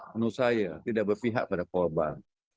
menurut saya tidak berpihak pada korban